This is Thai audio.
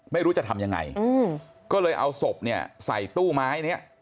ไม่รู้จะทำยังไงก็เลยเอาศพเนี่ยใส่ตู้ไม้เนี้ย